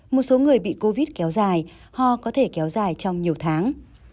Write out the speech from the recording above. một số người bị covid kéo dài ho có thể kéo dài trong nhiều tháng